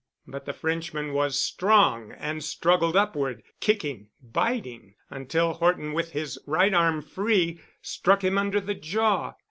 But the Frenchman was strong and struggled upward, kicking, biting, until Horton with his right arm free struck him under the jaw.